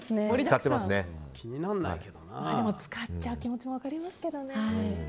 使っちゃう気持ちも分かりますけどね。